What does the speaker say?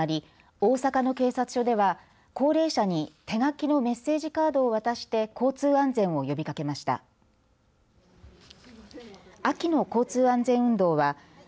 大阪の警察署では高齢者に手書きのメッセージカードを渡して交通安全を呼びかけました。